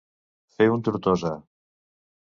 Fer un Tortosa.